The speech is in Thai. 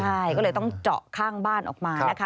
ใช่ก็เลยต้องเจาะข้างบ้านออกมานะคะ